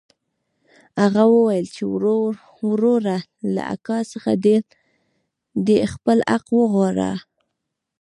هغه وويل چې وروره له اکا څخه دې خپل حق وغواړه.